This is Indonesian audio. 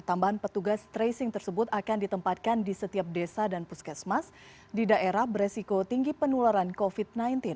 tambahan petugas tracing tersebut akan ditempatkan di setiap desa dan puskesmas di daerah beresiko tinggi penularan covid sembilan belas